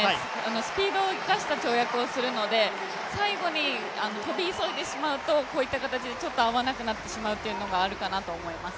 スピードを生かした跳躍をするので、最後に跳び急いでしまうとこういった形でちょっと合わなくなってしまうのがあるかなと思います。